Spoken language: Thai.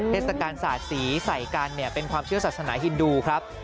เทศกาลศาสตร์สีใส่กันเป็นความเชื่อศาสนาฮินดูครับ